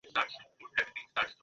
এটা আমি - কে আপনি?